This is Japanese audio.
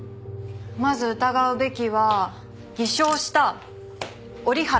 まず疑うべきは偽証した折原大吾ですね。